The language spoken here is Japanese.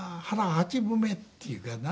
八分目っていうかな。